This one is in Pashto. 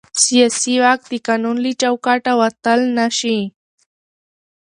سیاسي واک د قانون له چوکاټه وتل نه شي